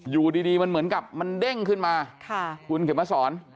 อยู่ดีมันเหมือนกับมันเด้งขึ้นมาคุณเข็มมาสอน